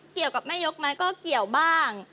เกี่ยวกับแม่ยกไหมก็เกี่ยวบ้าง